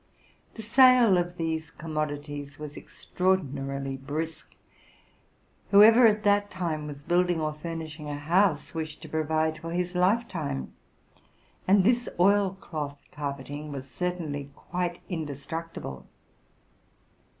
The sale of these commodities was extra ordinarily brisk. Whoever at that time was building or fur nishing a house, wished to provide for his lifetime ; and this oil cloth carpeting was certainly quite indestructible.